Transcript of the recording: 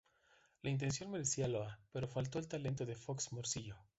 La intención merecía loa, pero faltó el talento de Fox Morcillo.